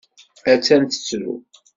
Attan tettru.